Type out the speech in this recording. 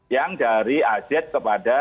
yang dari aziz kepada